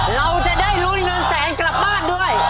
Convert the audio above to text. เราจะได้ลุ้นเงินแสนกลับบ้านด้วย